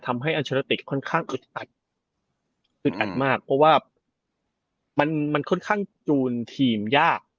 อัลเชอร์ติกค่อนข้างอึดอัดอึดอัดมากเพราะว่ามันมันค่อนข้างจูนทีมยาก